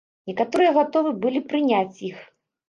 Некаторыя гатовы былі прыняць іх.